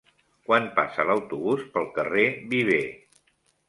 Quan passa l'autobús pel carrer Viver?